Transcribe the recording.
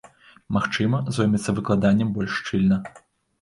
Магчыма, зоймецца выкладаннем больш шчыльна.